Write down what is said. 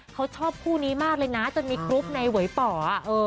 เขาชอบคู่นี้มากเลยนะจนมีกรุ๊ปในเวยป่อ